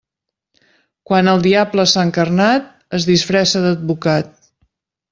Quan el diable s'ha encarnat, es disfressa d'advocat.